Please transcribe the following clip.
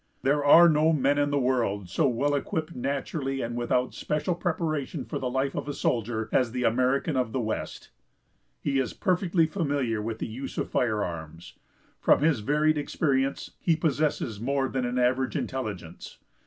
There are no men in the world so well equipped naturally and without special preparation for the life of a soldier as the American of the West. He is perfectly familiar with the use of firearms. From his varied experience, he possesses more than an average intelligence.